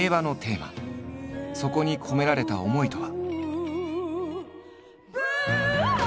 そこに込められた思いとは。